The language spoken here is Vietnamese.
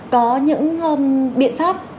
có những biện pháp